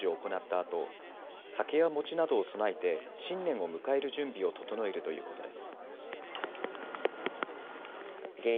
あと酒や餅などを供えて新年を迎える準備を整えるということです。